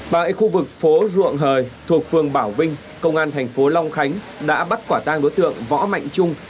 tại khu vực phố ruộng hời thuộc phường bảo vinh công an tp long khánh đã bắt quả tang đối tượng võ mạnh trung